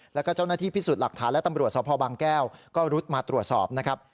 แล้วก็เจ้าหน้าที่พิสูจน์หลักฐานและตำรวจสภบางแก้วก็รุดมาตรวจสอบนะครับ